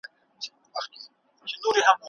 د بریا ویاړ یوازي مستحقو خلګو ته نه سي ورکول کېدلای.